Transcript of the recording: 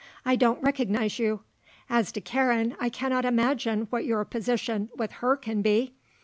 "I don't recognize you. As to Karen, I cannot imagine what your position with her can be.